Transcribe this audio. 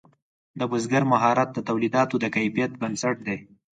د بزګر مهارت د تولیداتو د کیفیت بنسټ دی.